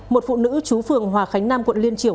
một phụ nữ chú phường hòa khánh nam quận liên triều